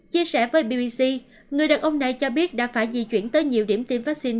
chia sẻ với bbc người đàn ông này cho biết đã phải di chuyển tới nhiều điểm tiêm vaccine